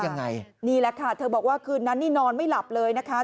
นี่แล้วค่ะเธอบอกนั้นนอนไม่หลับเลยนะคะ